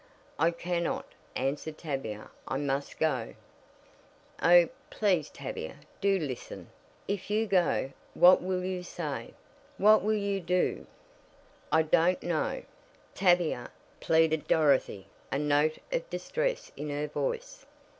"I cannot," answered Tavia. "I must go." "Oh, please, Tavia, do listen! If you go, what will you say? What will you do?" "I don't know." "Tavia!" pleaded Dorothy, a note of distress in her voice.